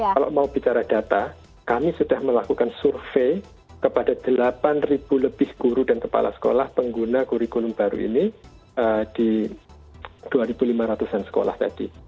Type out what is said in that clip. kalau mau bicara data kami sudah melakukan survei kepada delapan lebih guru dan kepala sekolah pengguna kurikulum baru ini di dua lima ratus an sekolah tadi